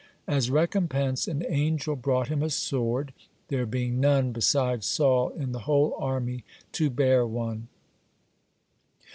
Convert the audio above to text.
As recompense, an angel brought him a sword, there being none beside Saul in the whole army to bear one.